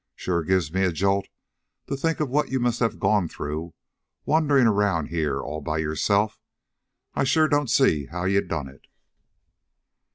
"Sure gives me a jolt to think of what you must have gone through, wandering around here all by yourself! I sure don't see how you done it!"